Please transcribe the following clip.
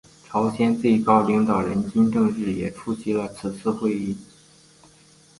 朝鲜最高领导人金正日也出席了此次会议。